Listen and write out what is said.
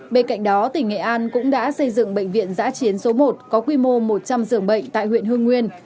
bên cạnh đó tỉnh nghệ an cũng đã xây dựng bệnh viện giã chiến số một có quy mô một trăm linh giường bệnh tại huyện hương nguyên